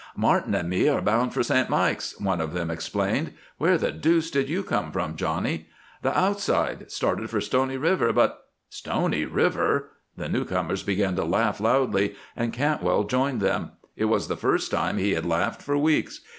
"Martin and me are bound for Saint Mikes," one of them explained. "Where the deuce did you come from, Johnny?" "The 'outside.' Started for Stony River, but " "Stony River!" The new comers began to laugh loudly and Cantwell joined them. It was the first time he had laughed for weeks.